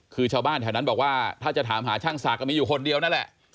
คือชาวบ้านแถวนั้นบอกว่าถ้าจะถามหาช่างศักดิ์มีอยู่คนเดียวนั่นแหละ